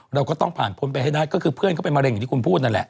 เราก็ต้องผ่านพ้นไปให้ได้ก็คือเพื่อนเขาเป็นมะเร็งอย่างที่คุณพูดนั่นแหละ